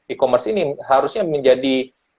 e commerce ini harusnya menjadi